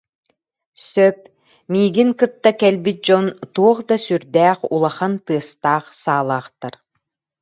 Сөп, миигин кытта кэлбит дьон туох да сүрдээх улахан тыастаах саалаахтар